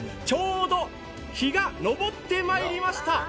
ちょうど日が昇ってまいりました。